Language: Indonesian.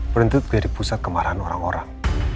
beruntut dari pusat kemarahan orang orang